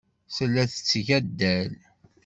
Tella tetteg addal.